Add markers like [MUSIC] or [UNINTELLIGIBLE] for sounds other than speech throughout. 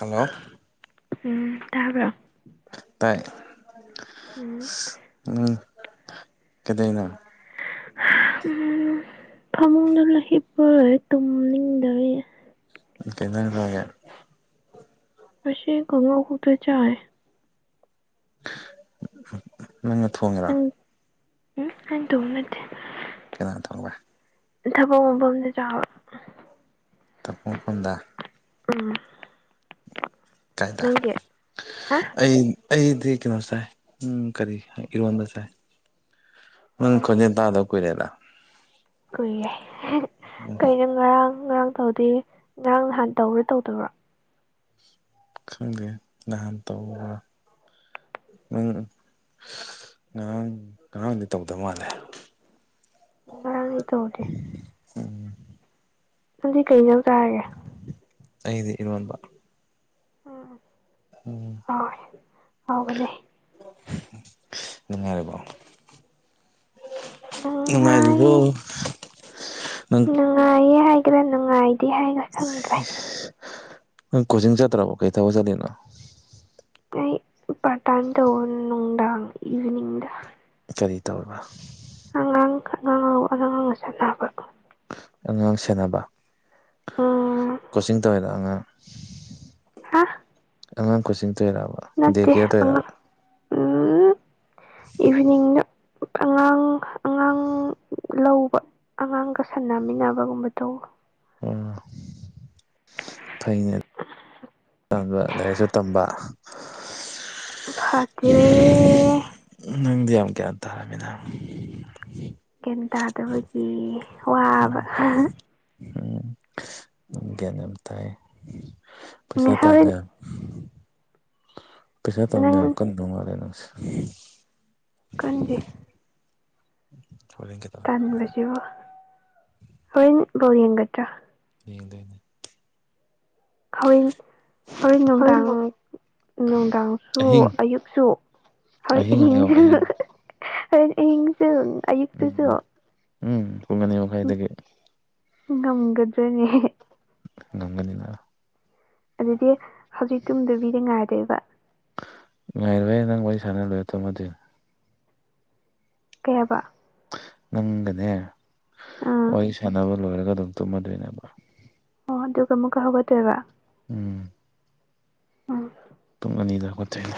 hello ꯎꯝ ꯇꯥꯕ꯭ꯔꯣ ꯇꯥꯏ ꯎꯝ ꯎꯝ ꯀꯩꯗꯧꯏꯅꯣ ꯎꯝ ꯐꯃꯨꯡꯗꯨ ꯂꯩ ꯍꯄꯒ ꯇꯨꯝꯅꯤꯡꯗꯕꯩ ꯀꯩꯏ ꯖꯥꯡ ꯆꯥꯒꯦ ꯉꯁꯤ ꯀꯥꯉꯧ ꯈꯛꯇ ꯆꯥꯏ ꯅꯪꯅ ꯊꯣꯡꯉꯦ ꯎꯝ ꯅꯪ ꯑꯩꯅ ꯊꯣꯡꯕ ꯅꯠꯇꯦ ꯀꯅꯥꯥꯟ ꯊꯣꯡꯕ ꯊꯕꯛ ꯃꯐꯝꯗ ꯆꯥꯕ ꯊꯕꯛ ꯃꯐꯝꯗ ꯎꯝ ꯀꯥꯏꯗ ꯅꯪꯗꯤ ꯍꯥ ꯑꯩ ꯑꯩꯗꯤ ꯀꯩꯅꯣ ꯆꯥꯏ ꯎꯝ ꯀꯔꯤ ꯏꯔꯣꯟꯕ ꯆꯥꯏ ꯅꯪ ꯎꯝ ꯈꯣꯟꯖꯦꯟ ꯇꯗꯕ ꯀꯨꯏꯔꯦꯗ ꯀꯨꯏꯌꯦ ꯎꯝ ꯀꯩꯅꯣ ꯉꯔꯥꯡ ꯉꯔꯥꯡ ꯇꯧꯗꯦ ꯉꯔꯥꯡ ꯅꯍꯥꯟ ꯇꯧꯕ꯭ꯔꯥ ꯇꯧꯗꯕ꯭ꯔꯣ ꯈꯪꯗꯦ ꯅꯍꯥꯟ ꯇꯧꯕ꯭ꯔꯥ ꯅꯪ ꯉꯔꯥꯡ ꯉꯔꯥꯡꯗꯤ ꯇꯧꯗ ꯃꯥꯜꯂꯦ ꯉꯔꯥꯡꯗꯤ ꯇꯧꯗꯦ ꯅꯪꯗꯤ ꯀꯩ ꯏꯟꯖꯥꯡ ꯆꯥꯔꯒꯦ ꯑꯩꯗꯤ ꯏꯔꯣꯟꯕ ꯎꯝ ꯑꯣ ꯑꯣ [UNINTELLIGIBLE] ꯍꯥꯎꯕꯅꯦ ꯅꯨꯡꯉꯥꯏꯔꯤꯕꯣ ꯅꯨꯡꯉꯥꯏ ꯅꯨꯡꯉꯥꯏꯔꯤꯕꯣ ꯅꯪ ꯅꯨꯡꯉꯥꯏꯌꯦ ꯍꯥꯏꯒꯦꯔꯥ ꯅꯨꯡꯉꯥꯏꯇꯦ ꯍꯥꯏꯒꯦꯔꯥ ꯈꯪꯗ꯭ꯔꯦ ꯅꯪ ꯀꯣꯆꯤꯡ ꯆꯠꯇ꯭ꯔꯕꯣ ꯀꯩ ꯊꯕꯛ ꯆꯠꯂꯤꯅꯣ ꯑꯩ ꯄꯥꯔꯠ ꯇꯥꯢꯝ ꯇꯧꯕ ꯅꯨꯡꯖꯥꯡ ꯏꯚꯤꯅꯤꯡꯗ ꯀꯔꯤ ꯇꯧꯔꯤꯕ ꯑꯥꯉꯥꯡ [UNINTELLIGIBLE] ꯑꯉꯥꯡꯒ ꯁꯥꯟꯅꯕ ꯑꯉꯥꯡ ꯁꯦꯟꯅꯕ ꯎꯝ ꯀꯣꯆꯤꯡ ꯇꯧꯋꯤꯔꯣ ꯑꯉꯥꯡ ꯍꯥ ꯑꯉꯥꯡ ꯀꯣꯆꯤꯡ ꯇꯣꯏꯔꯥꯕ ꯅꯠꯇꯦ ꯑꯉꯥꯡ ꯎꯝ [INAUDIBLE] ꯏꯚꯤꯅꯤꯡꯗ ꯑꯉꯥꯡ ꯑꯉꯥꯡ ꯂꯧꯕ ꯑꯉꯥꯡꯒ ꯁꯥꯟꯅꯃꯤꯟꯅꯕꯒꯨꯝꯕ ꯇꯧꯕ ꯑꯣ ꯐꯩꯅꯦ [INAUDIBLE] ꯇꯥꯟꯕ ꯂꯥꯏꯔꯤꯛꯁꯨ ꯇꯝꯕ [UNINTELLIGIBLE] ꯅꯪꯗꯤ ꯌꯥꯝ ꯒ꯭ꯌꯥꯟ ꯇꯥꯔꯝꯃꯦꯅ ꯒ꯭ꯌꯥꯟ ꯇꯥꯗꯕꯒꯤ [INAUDIBLE] ꯎꯝ ꯋꯥꯕ ꯅꯪ ꯒ꯭ꯌꯥꯟ ꯌꯥꯝ ꯇꯥꯏ ꯄꯩꯁꯥ ꯍꯣꯔꯦꯟ ꯇꯥꯅ [UNINTELLIGIBLE] ꯄꯩꯁꯥ ꯇꯥꯟꯕ ꯌꯥꯝ ꯅꯪ ꯀꯟꯗꯧ ꯃꯥꯜꯂꯦ ꯅꯪꯁꯦ ꯀꯟꯗꯦ ꯍꯣꯔꯦꯟ ꯀꯩꯗꯧ ꯇꯥꯟꯕꯁꯤꯕꯨ ꯍꯣꯔꯦꯟ ꯕꯣꯜ ꯌꯦꯡꯒꯗ꯭ꯔꯥ ꯌꯦꯡꯗꯣꯢꯅꯦ ꯍꯣꯔꯦꯟ ꯍꯣꯔꯦꯟ ꯅꯨꯡꯗꯥꯡ ꯅꯨꯡꯗꯥꯡꯁꯨ ꯑꯍꯤꯡ ꯑꯌꯨꯛꯁꯨ ꯍꯣꯔꯦꯟ ꯑꯍꯤꯡ ꯍꯥꯏꯌꯣ ꯑꯍꯤꯡꯁꯨ ꯑꯍꯤꯡ ꯍꯣꯔꯦꯟ ꯑꯍꯤꯡꯁꯨ ꯑꯌꯨꯛꯇꯨꯁꯨ ꯎꯝ ꯎꯝ ꯄꯨꯡ ꯑꯅꯤ ꯃꯈꯥꯏꯗꯒꯤ ꯉꯝꯒꯗ꯭ꯔꯥꯅꯦ ꯉꯝꯒꯅꯤꯅ ꯑꯗꯨꯗꯤ ꯍꯧꯖꯤꯛ ꯇꯨꯝꯗꯕꯤꯗ ꯉꯥꯏꯗꯣꯏꯕ ꯉꯥꯏꯔꯍꯦꯅꯪ ꯋꯥꯔꯤ ꯁꯅꯥ ꯂꯣꯏꯔ ꯇꯨꯝꯗꯨꯏꯅꯦ ꯀꯌꯥꯕ ꯅꯪꯒꯅꯦ ꯑꯥ ꯋꯥꯔꯤ ꯁꯥꯟꯅꯕ ꯂꯣꯏꯔꯒ ꯑꯗꯨꯝ ꯇꯨꯝꯃꯗꯣꯏꯅꯦꯕ ꯑꯣ ꯑꯗꯨꯒ ꯑꯃꯨꯛꯀ ꯍꯧꯒꯠꯇꯣꯏꯕ ꯎꯝ ꯎꯝ ꯄꯨꯡ ꯑꯅꯤꯗ ꯍꯧꯒꯠ ꯇꯣꯏꯅꯦ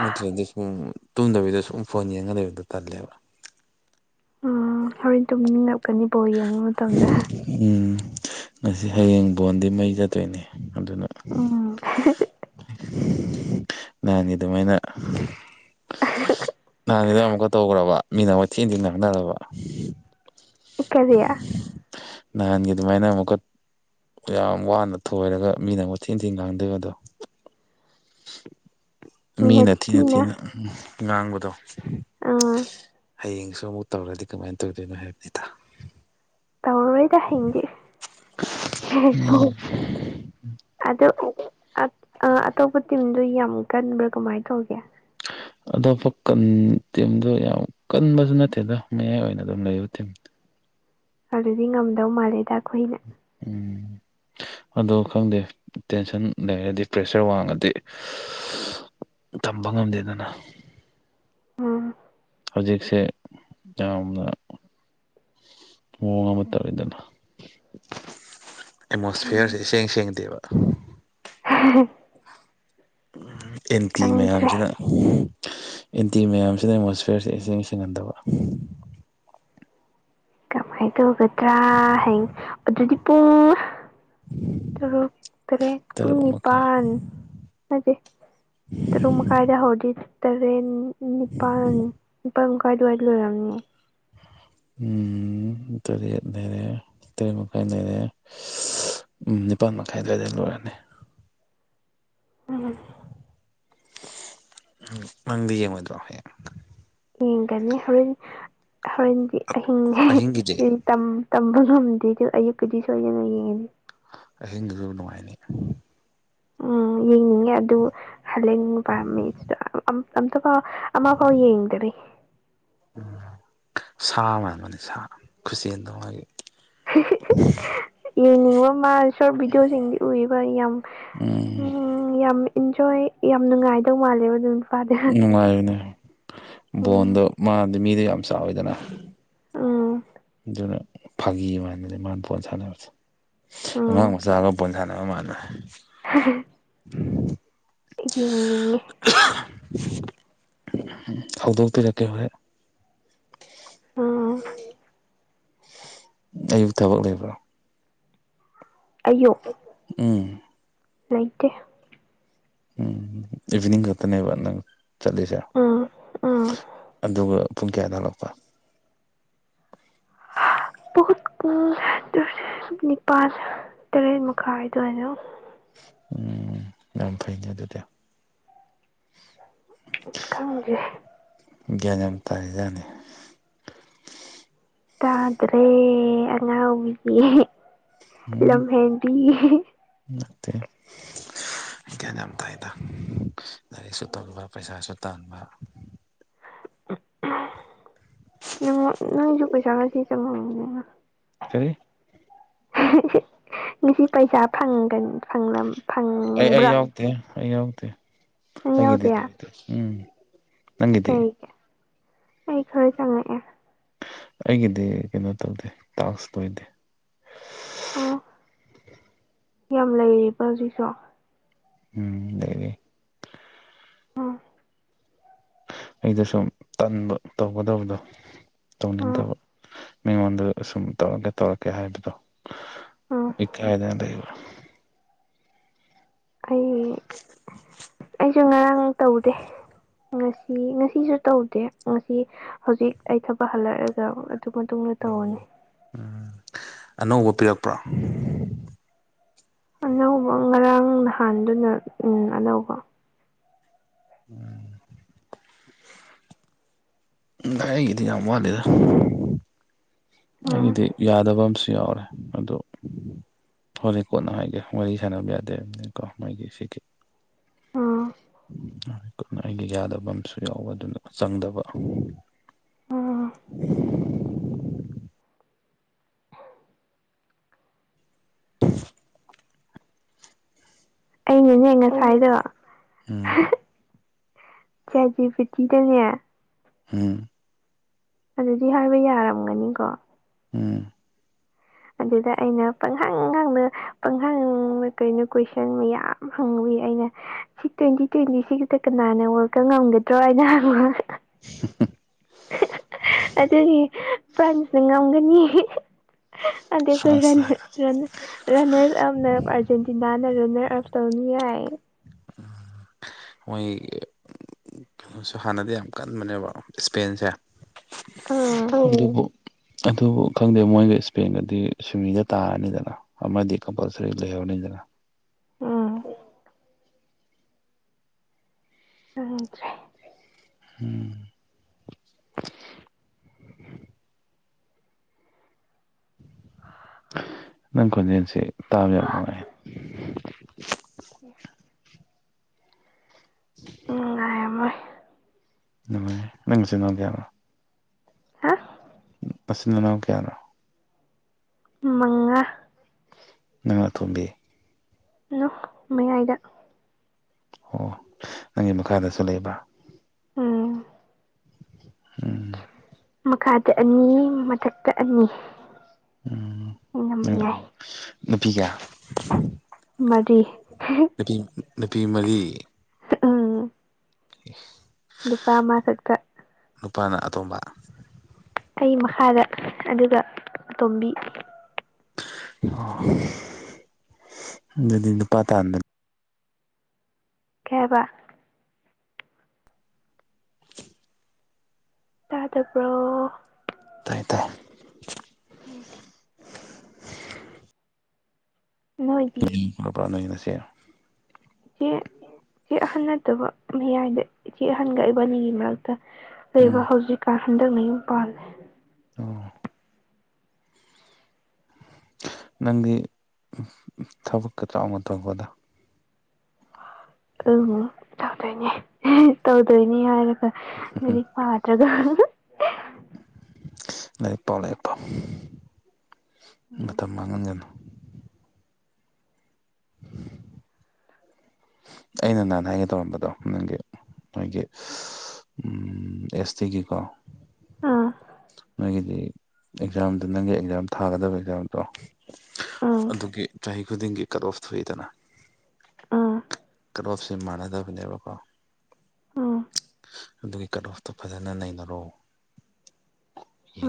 ꯅꯠꯇ꯭ꯔꯗꯤ ꯁꯨꯝ ꯇꯨꯝꯗꯕꯤꯗ ꯁꯨꯝ ꯐꯣꯟ ꯌꯦꯡꯉꯒ ꯂꯩꯕꯗꯣ ꯇꯜꯂꯦꯕ ꯎꯝ ꯍꯣꯔꯦꯟ ꯇꯨꯝꯅꯤꯡꯉꯛꯀꯅꯤ ꯕꯣꯜ ꯌꯦꯡꯕ ꯃꯇꯝꯗ ꯎꯝ ꯉꯁꯤ ꯍꯌꯦꯡ ꯕꯣꯟꯗꯤ ꯃꯩ ꯆꯠꯇꯣꯏꯅꯦ ꯑꯗꯨꯅ ꯎꯝ [UNINTELLIGIBLE] ꯅꯍꯥꯟꯒꯤ ꯗꯨꯃꯥꯏꯅ ꯅꯍꯥꯟꯒꯤꯗꯣ ꯑꯃꯨꯛꯀ ꯇꯧꯈ꯭ꯔꯕ ꯃꯤꯅ ꯑꯃꯨꯛ ꯊꯤ ꯊꯤꯅ ꯉꯥꯡꯅꯅꯥꯕ ꯀꯦꯔꯤꯌꯥ ꯅꯍꯥꯟꯒꯤ ꯑꯗꯨꯃꯥꯏꯅ ꯑꯃꯨꯛꯀꯠ ꯌꯥꯝ ꯋꯥꯅ ꯊꯣꯏꯔꯒ ꯃꯤꯅ ꯑꯃꯨꯛ ꯊꯤꯟ ꯊꯤꯟ ꯉꯥꯡꯗꯣꯏꯕ ꯑꯗꯣ ꯃꯤꯅ ꯊꯤꯅ ꯊꯤꯅ ꯎꯝ ꯉꯥꯡꯕꯗꯣ ꯑꯥ ꯍꯌꯦꯡꯁꯨ ꯑꯃꯨꯛ ꯇꯧꯔꯗꯤ ꯀꯃꯥꯏꯅ ꯇꯧꯗꯣꯏꯅꯣ ꯍꯥꯏꯕꯅꯤꯗ ꯇꯧꯔꯣꯏꯗ ꯍꯌꯦꯡꯗꯤ ꯑ ꯑꯗꯨ ꯑꯇꯣꯞꯄ ꯇꯤꯝꯗꯨ ꯌꯥꯝ ꯀꯟꯕ꯭ꯔꯥ ꯀꯃꯥꯏꯅ ꯇꯧꯒꯦ ꯍ ꯑꯇꯣꯞꯄ ꯀꯟ ꯇꯤꯝꯗꯣ ꯌꯥꯝ ꯀꯟꯕꯁꯨ ꯅꯠꯇꯦꯗ ꯃꯌꯥꯏ ꯑꯣꯏꯅ ꯑꯗꯨꯝ ꯂꯩꯕ ꯇꯤꯝ ꯑꯗꯨꯗꯤ ꯉꯝꯗꯧ ꯃꯥꯜꯂꯦꯗ ꯑꯈꯣꯏꯗꯤ ꯎꯝ ꯑꯗꯨ ꯈꯪꯗꯦ ꯇꯦꯟꯁꯟ ꯂꯩꯔꯗꯤ ꯄ꯭ꯔꯦꯁꯔ ꯋꯥꯡꯉꯗꯤ ꯊꯝꯕ ꯉꯝꯗꯦꯗꯅ ꯎꯝ ꯍꯧꯖꯤꯛꯁꯦ ꯌꯥꯝꯅ ꯃꯑꯣꯡ ꯑꯃ ꯇꯧꯔꯤꯗꯅ ꯑꯦꯠꯃꯣꯁꯐꯤꯌꯔꯁꯦ ꯎꯝ ꯏꯁꯦꯡ ꯁꯦꯡꯗꯦꯕ ꯎ ꯑꯦꯟꯇꯤ ꯈꯪꯗ꯭ꯔꯦ ꯃꯌꯥꯝꯁꯤꯅ ꯑꯦꯟꯇꯤ ꯃꯌꯥꯝꯁꯤꯅ ꯑꯦꯠꯃꯣꯁꯐꯤꯌꯔꯁꯦ ꯏꯁꯤꯡ ꯁꯤꯡꯍꯟꯗꯕ ꯍꯥꯢꯗꯣꯛꯒꯗ꯭ꯔꯥ ꯍꯌꯦꯡ ꯑꯗꯨꯗꯤ ꯄꯨꯡ ꯇꯔꯨꯛ ꯇꯔꯦꯠ ꯀꯨꯟ ꯇꯔꯨꯛ ꯃꯈꯥꯏ ꯅꯤꯄꯥꯟ ꯅꯠꯇꯦ ꯇꯔꯨꯛ ꯃꯈꯥꯏꯗ ꯍꯧꯗꯣꯏꯅꯦ ꯇꯔꯦꯠ ꯅꯤꯄꯥꯜ ꯅꯤꯄꯥꯜ ꯑꯗꯨ꯭ꯋꯥꯏ ꯑꯗꯨꯋꯥꯏ ꯂꯩꯔꯝꯞꯃꯤꯅꯦ ꯎꯝ ꯇꯔꯦꯠ ꯂꯩꯔꯦ ꯇꯔꯦꯠ ꯃꯈꯥꯏ ꯂꯩꯔꯦ ꯎꯝ ꯅꯤꯄꯥꯜ ꯃꯈꯥꯏ ꯑꯗꯨꯋꯥꯏꯗ ꯂꯣꯏꯔꯅꯤ ꯎꯝꯝ ꯅꯪꯗꯤ ꯌꯦꯡꯉꯣꯏꯗ꯭ꯔꯣ ꯍꯌꯦꯡ ꯌꯦꯡꯒꯅꯤ ꯍꯣꯔꯦꯟ ꯍꯣꯔꯦꯟꯗꯤ ꯑꯍꯤꯡꯒꯤꯗꯤ ꯑꯍꯤꯡ ꯇꯝꯕ ꯉꯝꯗꯦ ꯑꯗꯨ ꯑꯌꯨꯛꯀꯤꯗꯤ ꯁꯣꯏꯗꯅ ꯌꯦꯡꯉꯗꯤ ꯑꯍꯤꯡꯗꯨꯁꯨ ꯅꯨꯡꯉꯥꯏꯅꯤ ꯎꯝ ꯌꯦꯡꯅꯤꯡꯉꯦ ꯑꯗꯨ ꯍꯂꯦꯟꯕꯨ ꯄꯥꯝꯃꯦ ꯑꯝꯇꯐꯥꯎ ꯑꯃꯐꯥꯎ ꯌꯦꯡꯗꯔꯤ ꯎꯝ ꯁꯥ ꯃꯥꯟꯕꯅꯤ ꯁꯥ ꯈꯨꯆꯦꯟꯗ ꯃꯥꯒꯤ ꯌꯦꯡꯅꯤꯡꯕ ꯃꯥ ꯁꯣꯔꯠ ꯚꯤꯗꯤꯑꯣꯁꯤꯡꯗꯤ ꯎꯏꯕ ꯌꯥꯝ ꯎꯝ ꯌꯥꯝ ꯏꯟꯖꯣꯏ ꯌꯥꯝ ꯅꯨꯡꯉꯥꯏꯗꯧ ꯃꯥꯜꯂꯦꯕ ꯅꯪꯗꯣ ꯅꯨꯡꯉꯥꯏꯔꯅꯦ ꯕꯣꯟꯗꯣ ꯎꯝ ꯃꯥꯗꯤ ꯃꯤꯗ ꯌꯥꯝ ꯆꯥꯎꯋꯤꯗꯅ ꯎꯝ ꯐꯥꯒꯤ ꯃꯥꯟꯕꯅꯦ ꯃꯥꯅ ꯕꯣꯟ ꯁꯥꯟꯅꯕꯁꯦ ꯑꯉꯥꯡ ꯎꯝ ꯃꯆꯥꯒ ꯕꯣꯜ ꯁꯥꯟꯅꯕ ꯃꯥꯥꯟꯅꯦ [UNINTELLIGIBLE] ꯌꯦꯡꯅꯤꯡꯉꯦ ꯍꯧꯗꯣꯛꯄꯤꯔꯛꯀꯦ ꯍꯣꯔꯦꯟ ꯑ ꯑꯌꯨꯛ ꯊꯕꯛ ꯂꯩꯕ꯭ꯔꯣ ꯑꯌꯨꯛ ꯎꯝ ꯂꯩꯥꯇꯦ ꯎꯝ ꯏꯚꯤꯅꯤꯡ ꯈꯛꯇꯅꯦꯕ ꯅ‌ꯪ ꯆꯠꯂꯤꯖ‌ꯦ ꯎꯝ ꯎꯝ ꯑꯗꯨꯒ ꯄꯨꯡ ꯀꯌꯥꯗ ꯍꯜꯂꯛꯄ ꯀꯨꯜ ꯅꯤꯄꯥꯜ ꯇꯔꯦꯠ ꯃꯈꯥꯏꯗ ꯑꯗꯨꯋꯥꯢꯗ ꯎꯝ ꯌꯥꯝ ꯐꯩꯅꯦ ꯑꯗꯨꯗꯤ ꯈꯪꯗ‌ꯦ ꯒ꯭ꯌꯥꯟ ꯌꯥꯝ ꯇꯥꯏꯖꯅ‌ꯦ ꯇꯥꯗ꯭ꯔꯦ ꯑꯉꯥꯎꯕꯤ ꯎꯝ ꯂꯝꯍꯦꯟꯕꯤ ꯅꯠꯇꯦ ꯍꯒ꯭ꯌꯥ ꯌꯥꯝ ꯇꯥꯏꯗ ꯂꯥꯏꯔꯤꯛꯁꯨ ꯇꯝꯕ ꯄꯩꯁꯥꯁꯨ ꯇꯥꯟꯕ ꯅꯪ ꯅꯪꯁꯨ ꯄꯩꯁꯥ ꯉꯁꯤ ꯆꯪꯉꯝ ꯃꯅꯤ ꯅꯥ ꯀꯔꯤ ꯉꯁꯤ ꯄꯩꯁꯥ ꯐꯪꯒꯟ ꯐꯪꯂꯝ ꯑꯩ ꯑꯩ ꯐꯪꯕ꯭ꯔꯣ ꯌꯥꯎꯗꯦ ꯑꯩ ꯌꯥꯎꯗꯦ ꯅꯪ ꯑꯩꯒꯤꯗꯤ ꯌꯥꯎꯗꯦ ꯂꯧꯗꯦ ꯎꯝ ꯅꯪꯒꯤꯗꯤ ꯀꯩꯒꯤꯦ ꯑꯩ ꯈꯔ ꯆꯪꯉꯛꯑꯦ ꯑꯩꯒꯤꯗꯤ ꯀꯩꯅꯣ ꯇꯧꯗꯦ ꯇꯥꯛꯁ ꯂꯣꯏꯗꯦ ꯑꯣ ꯌꯥꯝ ꯂꯩꯔꯤꯕ ꯍꯧꯖꯤꯛꯁꯨ ꯎꯝ ꯂꯩꯔꯤ ꯑ‌ꯣ ꯑꯩꯗ‌ꯣ ꯁꯨꯝ ꯇꯟꯕ ꯇꯧꯒꯗꯕꯗꯣ ꯎꯝ ꯇꯧꯅꯤꯡꯗꯕ ꯃꯤꯉꯣꯟꯗ ꯁꯨꯝ ꯇꯧꯔꯛꯀꯦ ꯇꯧꯔꯛꯀꯦ ꯍꯥꯏꯕꯗꯣ ꯎꯝ ꯏ ꯀꯥꯏꯗ ꯂꯩꯕ ꯑꯩ ꯑꯩꯁꯨ ꯉꯔꯥꯡ ꯇꯧꯗꯦ ꯉꯁꯤ ꯉꯁꯤꯁꯨ ꯇꯧꯗꯦ ꯉꯁꯤ ꯍꯧꯖꯤꯛ ꯑꯩ ꯊꯕꯛ ꯍꯜꯂꯛꯑꯒ ꯃꯇꯨꯡꯗ ꯇꯧꯔꯅꯤ ꯎꯝ ꯑꯅꯧꯕ ꯄꯤꯔꯛꯄ꯭ꯔꯣ ꯑꯅꯧꯕ ꯉꯔꯥꯡ ꯅꯍꯥꯟꯗꯨꯅ ꯎꯝ ꯑꯅꯧꯕ ꯎꯝ ꯎꯝ ꯑꯩꯒꯤꯗꯤ ꯌꯥꯝ ꯋꯥꯠꯂꯤꯗ ꯎꯝ ꯑꯩꯒꯤꯗꯤ ꯌꯥꯗꯕ ꯑꯃꯁꯨ ꯌꯥꯎꯔꯦ ꯑꯗꯨ ꯍꯣꯔꯦꯟ ꯀꯣꯟꯅ ꯍꯥꯏꯒꯦ ꯋꯥꯔꯤ ꯁꯥꯟꯅꯕ ꯌꯥꯗꯦꯕ ꯀꯣ ꯃꯥꯒꯤ ꯁꯤꯒꯤ ꯎꯝ ꯌꯥꯝ ꯀꯟꯅ ꯑꯩꯒꯤ ꯌꯥꯗꯕ ꯑꯃꯁꯨ ꯌꯥꯎꯕ ꯑꯗꯨꯅ ꯆꯪꯗꯕ ꯎꯝ [INAUDIBLE] ꯑꯩꯅꯅꯦ ꯉꯁꯥꯏꯗꯣ ꯆꯥꯠ‌ ꯖꯤꯄꯤꯇꯤ ꯗꯅꯦ ꯍꯥꯝ ꯑꯗꯨꯗꯤ ꯍꯥꯏꯕ ꯌꯥꯔꯝꯒꯅꯤꯀꯣ ꯎꯝ ꯑꯗꯨꯗ ꯑꯩꯅ ꯄꯪꯍꯡ ꯍꯡꯅ ꯄꯪꯍꯪꯅ ꯀꯩꯅꯣ ꯀꯣꯏꯁꯟ ꯃꯌꯥꯝ ꯍꯪꯕꯒꯤ ꯑꯩꯅ ꯁꯤ ꯇ꯭ꯋꯦꯟꯇꯤ ꯇ꯭ꯋꯦꯟꯇꯤ ꯁꯤꯒꯤꯗ ꯀꯅꯥꯅ ꯋꯥꯜ ꯀꯞ ꯉꯝꯒꯗ꯭ꯔꯣ ꯍꯥꯏꯅ ꯍꯪꯕ [UNINTELLIGIBLE] ꯑꯗꯨꯒꯤ ꯄ꯭ꯔꯟꯁꯅ ꯉꯝꯒꯅꯤ ꯑꯗꯦ [UNINTELLIGIBLE] ꯐ꯭ꯔꯥꯟꯁꯅ ꯔꯟꯅꯔ ꯑꯞꯅ ꯑꯥꯔꯖꯦꯟꯇꯤꯅꯥꯅ ꯔꯟꯅꯔ ꯑꯞ ꯇꯧꯅꯤ ꯌꯥꯏ ꯃꯣꯏ ꯁꯨ ꯍꯥꯟꯅꯗꯤ ꯌꯥꯝ ꯀꯟꯕꯅꯦꯕ ꯁ꯭ꯄꯦꯟꯁꯦ ꯑꯥ ꯑꯗꯨꯕꯨ ꯈꯪꯗꯦ ꯃꯣꯏꯒ ꯏꯁ꯭ꯄꯦꯟꯒꯗꯤ ꯁ꯭ꯋꯤꯃꯤꯗ ꯇꯥꯔꯅꯤꯗꯅ ꯑꯃꯗꯤ ꯀꯝꯄꯜꯁꯔꯤ ꯂꯩꯍꯧꯅꯤꯗꯅ ꯎꯝ ꯎꯗ꯭ꯔꯦ ꯎꯝ ꯅꯪ ꯈꯣꯟꯖꯦꯜꯁꯦ ꯇꯥꯕ ꯌꯥꯝ ꯅꯨꯡꯉꯥꯏ [UNINTELLIGIBLE] ꯅꯨꯉꯥꯏꯔꯝꯃꯣꯏ ꯅꯨꯡꯉꯥꯏ ꯅꯪ ꯅꯆꯤꯟ ꯅꯅꯥꯎ ꯀꯌꯥꯅꯣ ꯍꯥ ꯅꯆꯤꯟ ꯅꯅꯥꯎ ꯀꯌꯥꯅꯣ ꯃꯉꯥ ꯅꯪꯅ ꯑꯇꯣꯝꯕꯤ ꯅꯣ ꯃꯌꯥꯏꯗ ꯑꯣ ꯅꯪꯒꯤ ꯃꯈꯥꯗꯁꯨ ꯂꯩꯕ꯭ꯔꯥ ꯎꯝ ꯎꯝ ꯃꯈꯥꯗ ꯑꯅꯤ ꯃꯊꯛꯇ ꯑꯅꯤ ꯌꯥꯝ ꯅꯨꯉꯥꯏ ꯅꯨꯄꯤꯖꯦ ꯃꯔꯤ ꯅꯨꯄꯤ ꯅꯨꯄꯤ ꯃꯔꯤ ꯎꯝ [UNINTELLIGIBLE] ꯅꯨꯄꯥ ꯑꯃ ꯈꯛꯇ ꯅꯨꯄꯥꯅ ꯑꯇꯣꯝꯕ ꯑꯩ ꯃꯈꯥꯗ ꯑꯗꯨꯒ ꯑꯇꯣꯝꯕꯤ ꯑꯗꯨꯗꯤ ꯅꯨꯄꯥ ꯇꯥꯟꯗꯅ ꯀꯩ ꯍꯥꯏꯕ ꯇꯥꯗꯕ꯭ꯔꯣ ꯇꯥꯏ ꯇꯥꯏ ꯎꯝ ꯅꯣꯏꯗꯤ [UNINTELLIGIBLE] ꯆꯦ ꯆꯦ ꯑꯍꯟ ꯅꯠꯇꯕ ꯃꯌꯥꯏꯗ ꯆꯦ ꯑꯍꯟꯒ ꯏꯕꯅꯤꯒꯤ ꯃꯔꯛꯇ ꯂꯩꯕ ꯎꯝ ꯍꯧꯖꯤꯛꯀꯥꯟ ꯍꯟꯗꯛꯅ ꯌꯨꯝ ꯄꯥꯜꯂꯦ ꯑꯣ ꯅꯪꯒꯤ ꯊꯕꯛꯀ ꯆꯥꯎꯅ ꯇꯧꯈꯣꯗ ꯑ ꯇꯧꯗꯣꯏꯅꯦ [UNINTELLIGIBLE] ꯇꯧꯗꯣꯏꯅꯦ ꯍꯥꯏꯔꯒ ꯎꯝ ꯂꯥꯏꯔꯤꯛ ꯄꯥꯗ꯭ꯔꯒ [UNINTELLIGIBLE] ꯂꯥꯏꯔꯤꯛ ꯄꯥꯎ ꯂꯥꯏꯔꯤꯛ ꯄꯥꯎ ꯎꯝ ꯃꯇꯝ ꯃꯥꯡꯍꯟꯒꯅꯨ ꯑꯩꯅ ꯅꯍꯥꯟ ꯍꯥꯏꯒꯦ ꯇꯧꯔꯝꯕꯗꯣ ꯅꯪꯒꯤ ꯃꯣꯏꯒꯤ ꯑꯦꯁ ꯇꯤꯒꯤꯀꯣ ꯑꯥ ꯅꯣꯏꯒꯤꯗꯤ ꯑꯦꯛꯖꯥꯝꯗ ꯅꯪꯒꯤ ꯑꯦꯛꯖꯥꯝ ꯊꯥꯒꯗꯕ ꯑꯦꯛꯖꯥꯝꯗꯣ ꯑꯥ ꯑꯗꯨꯒꯤ ꯆꯍꯤ ꯈꯨꯗꯤꯡꯒꯤ ꯀꯠ ꯑꯣꯐ ꯊꯣꯛꯏꯗꯅ ꯀꯠ ꯑꯣꯐ ꯁꯦ ꯃꯥꯟꯅꯗꯕꯅꯦꯕꯀꯣ ꯑꯥ ꯑꯗꯨꯒꯤ ꯀꯠ ꯑꯣꯐꯇꯣ ꯐꯖꯅ ꯅꯩꯅꯔꯣ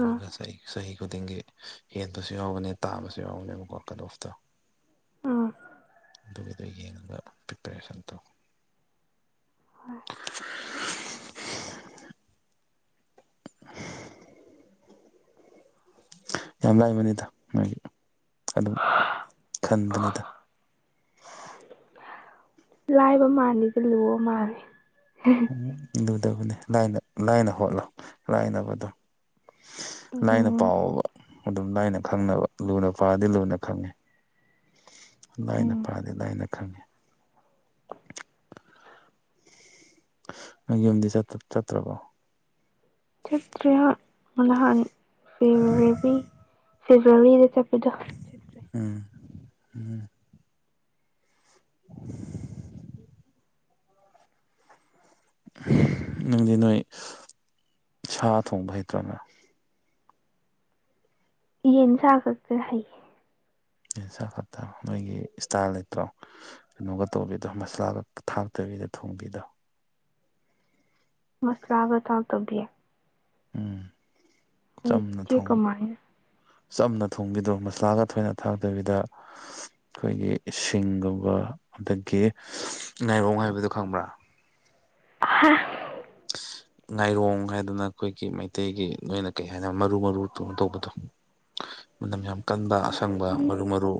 ꯑꯥ ꯆ ꯆꯍꯤ ꯈꯨꯗꯤꯡꯒꯤ ꯍꯦꯟꯕꯁꯨ ꯌꯥꯎꯕꯅꯦ ꯇꯥꯕꯁꯨ ꯌꯥꯎꯕꯅꯦꯕꯀꯣ ꯀꯠ ꯑꯣꯐꯇꯣ ꯑꯥ ꯑꯗꯨꯒꯤꯗ ꯌꯦꯡꯒ ꯄ꯭ꯔꯤꯄꯔꯦꯁꯟ ꯇꯧ [UNINTELLIGIBLE] ꯌꯥꯝ ꯂꯥꯏꯕꯅꯤꯗ ꯃꯥꯒꯤ ꯑꯗꯨꯝ ꯍꯣꯏ ꯈꯟꯕꯅꯤꯗ ꯂꯥꯏꯕ ꯃꯥꯜꯂꯤꯦꯗ ꯂꯨ ꯃꯥꯜꯂꯦ ꯏ ꯂꯨꯗꯕꯅꯤ ꯂꯥꯏꯅ ꯍꯣꯠꯂꯣ ꯂꯥꯏꯅꯕꯗꯣ ꯂꯥꯏꯅ ꯎꯝ ꯄꯥꯎꯕ ꯑꯗꯨꯝ ꯂꯥꯏꯅ ꯈꯪꯅꯕ ꯂꯨꯅ ꯄꯥꯔꯗꯤ ꯂꯨꯅ ꯈꯪꯉꯦ ꯂꯥꯏꯅ ꯎꯝ ꯐꯥꯗꯤ ꯂꯥꯏꯅ ꯈꯪꯉꯦ ꯅꯪ ꯌꯨꯝꯗꯤ ꯆꯠꯇ ꯆꯠꯇ꯭ꯔꯕꯣ ꯆꯠꯇ꯭ꯔ ꯅꯍꯥꯟ ꯐꯔꯤ ꯐꯦꯕꯋꯥꯔꯤꯗ ꯆꯠꯄꯗꯣ ꯆꯠꯇ꯭ꯔꯦ ꯎꯝ ꯎꯝ [UNINTELLIGIBLE] ꯅꯪꯗꯤ ꯅꯣꯏ ꯁꯥ ꯊꯣꯡꯕ ꯍꯩꯇ꯭ꯔꯕꯣ ꯌꯦꯟ ꯁꯥ ꯈꯛꯇ ꯍꯩꯌꯦ ꯁꯥ ꯈꯠꯇ ꯅꯣꯏꯒꯤ ꯏꯁꯇꯥꯏꯜ ꯂꯩꯇ꯭ꯔꯣ ꯀꯩꯅꯣꯒ ꯇꯧꯕꯤꯗꯣ ꯃꯁꯂꯥꯒ ꯊꯥꯛꯇꯕꯤꯗ ꯊꯣꯡꯕꯤꯗꯣ ꯃꯁꯂꯥꯒ ꯊꯥꯎ ꯇꯧꯕꯤꯌꯦ ꯎꯝ ꯆꯝꯅ ꯍꯩꯇꯦ ꯊꯣꯡ ꯀꯃꯥꯏꯅ ꯆꯝꯅ ꯊꯣꯡꯕꯤꯗꯣ ꯃꯁꯂꯥꯒ ꯊꯣꯏꯅ ꯊꯥꯛꯇꯕꯤꯗ ꯑꯩꯈꯣꯏꯒꯤ ꯁꯤꯡꯒꯨꯝꯕ ꯑꯗꯒꯤ ꯉꯥꯏꯔꯣꯡ ꯍꯥꯏꯕꯗꯣ ꯈꯪꯕ꯭ꯔꯥ ꯍꯥ [UNINTELLIGIBLE] ꯉꯥꯏꯔꯣꯡ ꯍꯥꯏꯗꯅ ꯑꯩꯈꯣꯏꯒꯤ ꯃꯩꯇꯩꯒꯤ ꯅꯣꯏꯅ ꯀꯩ ꯍꯥꯏꯅ ꯃꯔꯨ ꯃꯔꯨ ꯗꯧ ꯇꯧꯕꯗꯣ ꯃꯅꯝ ꯌꯥꯝ ꯀꯟꯕ ꯑꯁꯪꯕ ꯎꯝ ꯃꯔꯨ ꯃꯔꯨ